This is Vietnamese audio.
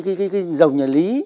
cái rồng nhà lý